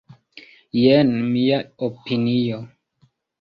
Jen mia opinio.